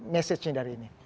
message nya dari ini